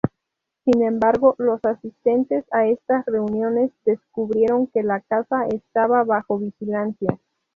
Sin embargo, los asistentes a estas reuniones descubrieron que la casa estaba bajo vigilancia.